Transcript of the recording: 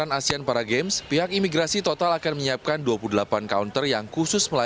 ada satu waktu tertentu di mana enam pesawat datang bersamaan